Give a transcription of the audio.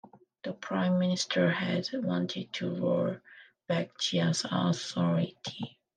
The prime minister had wanted to roll back Zia's authority.